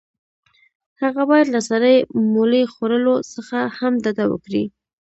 هغه باید له سرې مولۍ خوړلو څخه هم ډډه وکړي.